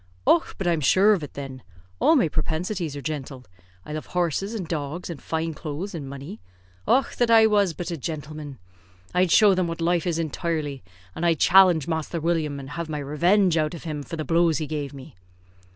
"Och! but I'm shure of it, thin. All my propensities are gintale. I love horses, and dogs, and fine clothes, and money. Och! that I was but a jintleman! I'd show them what life is intirely, and I'd challenge Masther William, and have my revenge out of him for the blows he gave me."